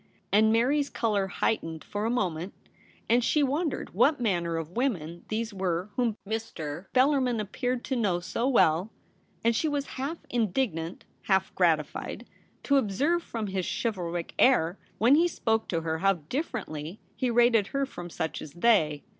And Mary's 268 THE REBEL ROSE. colour heightened for a moment, and she wondered what manner of women these were whom Mr. Bellarmin appeared to know so well ; and she was half indignant, half gratified to observe from his chivalric air when he spoke to her how differently he rated her from such as they.